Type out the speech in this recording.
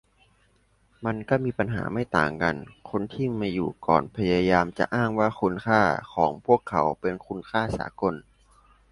มันก็มีป้ญหาไม่ต่างกัน - คนที่มาอยู่ก่อนพยายามจะอ้างว่าคุณค่าของพวกเขาเป็นคุณค่าสากล